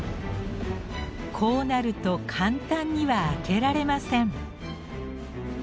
こうなると簡単には開けられません。